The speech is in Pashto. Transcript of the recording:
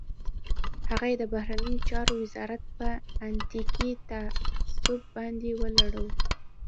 هغه یې د بهرنیو چارو وزارت په اتنیکي تعصب باندې ولړلو.